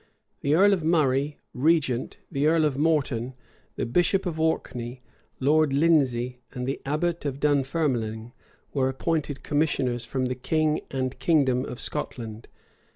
The earl of Murray, regent, the earl of Morton, the bishop of Orkney, Lord Lindesey, and the abbot of Dunfermling were appointed commissioners from the king and kingdom of Scotland.